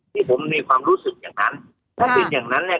ที่ผมมีความรู้สึกอย่างนั้นถ้าเป็นอย่างนั้นเนี่ย